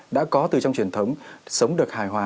đã có từ trong truyền thống sống được hài hòa